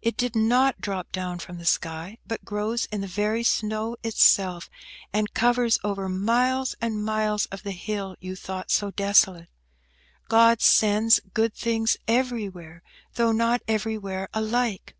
It did not drop down from the sky, but grows in the very snow itself, and covers over miles and miles of the hill you thought so desolate. God sends good things everywhere, though not everywhere alike."